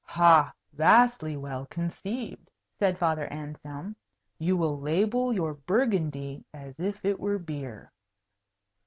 "Ha! vastly well conceived," said Father Anselm. "You will label your Burgundy as if it were beer."